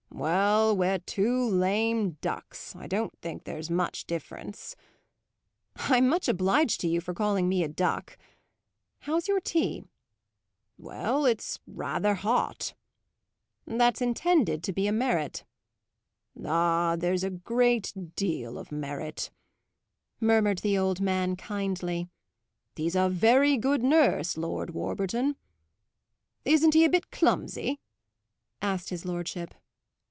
"Well, we're two lame ducks; I don't think there's much difference." "I'm much obliged to you for calling me a duck. How's your tea?" "Well, it's rather hot." "That's intended to be a merit." "Ah, there's a great deal of merit," murmured the old man, kindly. "He's a very good nurse, Lord Warburton." "Isn't he a bit clumsy?" asked his lordship.